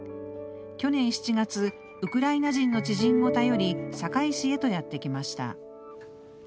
去年７月、ウクライナ人の知人を頼り堺市へとやってきました。